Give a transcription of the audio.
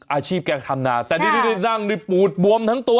อาชีพแก่งธรรมนาแต่นี่นี่นี่นั่งในปูดบวมทั้งตัว